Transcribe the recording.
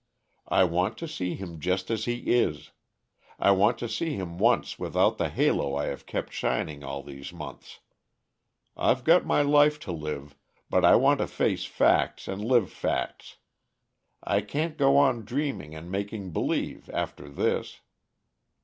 I want to see him just as he is. I want to see him once without the halo I have kept shining all these months. I've got my life to live but I want to face facts and live facts. I can't go on dreaming and making believe, after this."